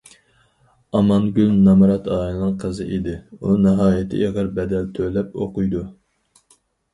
ئامانگۈل نامرات ئائىلىنىڭ قىزى ئىدى، ئۇ ناھايىتى ئېغىر بەدەل تۆلەپ ئوقۇيدۇ.